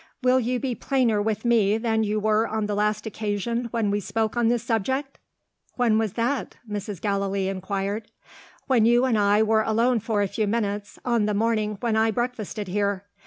Will you be plainer with me than you were on the last occasion when we spoke on this subject?" "When was that?" Mrs. Gallilee inquired. "When you and I were alone for a few minutes, on the morning when I breakfasted here.